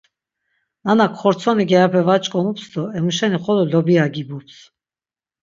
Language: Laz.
Nanak xortzoni gyarepe va ç̆k̆omups do emuşeni xolo lobia gibups.